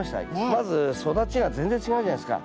まず育ちが全然違うじゃないですか。